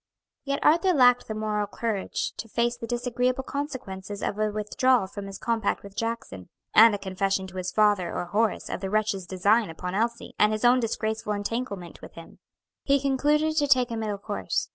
Yet Arthur lacked the moral courage to face the disagreeable consequences of a withdrawal from his compact with Jackson, and a confession to his father or Horace of the wretch's designs upon Elsie and his own disgraceful entanglement with him. He concluded to take a middle course.